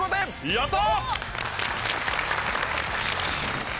やった！